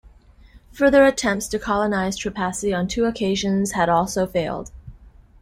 Further attempts to colonize Trepassey on two occasions had also failed.